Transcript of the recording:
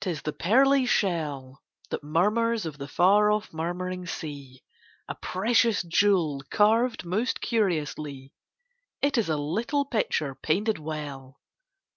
T is the pearly shell That mormnrs of the f ar o£P murmuring sea ; A precious jewel carved most curiously ; It is a little picture painted well.